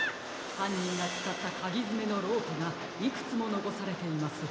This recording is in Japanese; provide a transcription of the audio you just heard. はんにんがつかったかぎづめのロープがいくつものこされています。